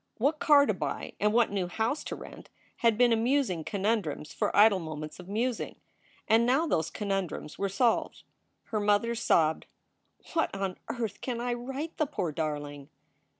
What car to buy and what new house to rent had been amusing conundrums for idle moments of musing. And now those conundrums were solved. Her mother sobbed: "What on earth can I write the poor darling?"